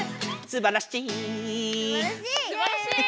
すばらしい！